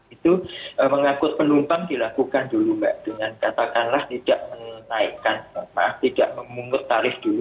itu mengangkut penumpang dilakukan dulu mbak dengan katakanlah tidak menaikkan maaf tidak memungut tarif dulu